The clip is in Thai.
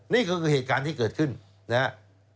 นี่ก็คือเหตุการณ์ที่เกิดขึ้นนะครับ